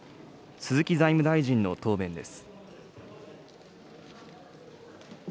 鈴木財務大臣の答弁です。